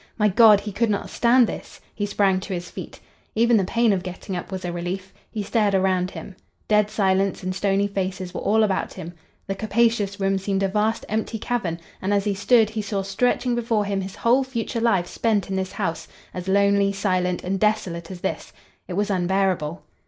My God! he could not stand this! He sprang to his feet. Even the pain of getting up was a relief. He stared around him. Dead silence and stony faces were all about him. The capacious room seemed a vast, empty cavern, and as he stood he saw stretching before him his whole future life spent in this house, as lonely, silent, and desolate as this. It was unbearable.